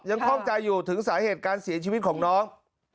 คล่องใจอยู่ถึงสาเหตุการเสียชีวิตของน้อง